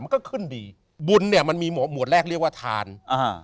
มันก็ขึ้นดีบุญเนี่ยมันมีหมวดแรกเรียกว่าทานอ่า